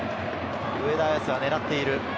上田は狙っている。